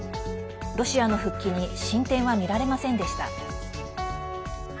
ロシアの復帰に進展はみられませんでした。